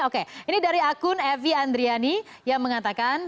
oke ini dari akun evi andriani yang mengatakan